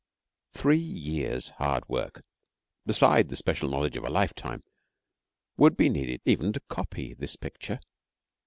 Three years' hard work, beside the special knowledge of a lifetime, would be needed to copy even to copy this picture.